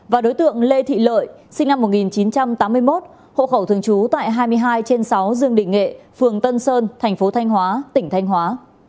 và đối tượng lê thị lợi sinh năm một nghìn chín trăm tám mươi một hộ khẩu thường trú tại hai mươi hai trên sáu dương đình nghệ phường tân sơn thành phố thanh hóa tỉnh thanh hóa